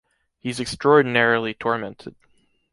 He’s extraordinarily tormented.